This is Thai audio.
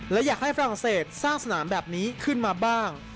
และอยากให้ฝรั่งเศสสร้างสนามแบบนี้ขึ้นมาบ้าง